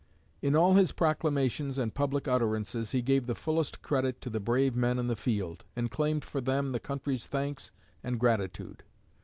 In all his proclamations and public utterances he gave the fullest credit to the brave men in the field, and claimed for them the country's thanks and gratitude.